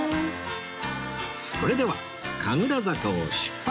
それでは神楽坂を出発